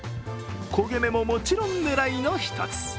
焦げ目ももちろん狙いの一つ。